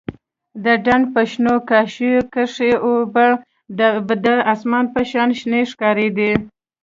د ډنډ په شنو کاشيو کښې اوبه د اسمان په شان شنې ښکارېدې.